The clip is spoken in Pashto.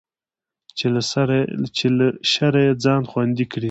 چې له شره يې ځان خوندي کړي.